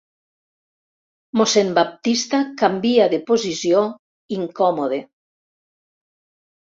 Mossèn Baptista canvia de posició, incòmode.